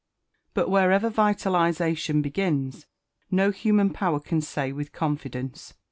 But wherever vitalisation begins, no human power can say with confidence.